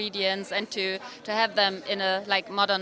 dan untuk memakannya di menu modern